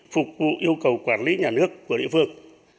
phục vụ yêu cầu quản lý nhà nước của địa phương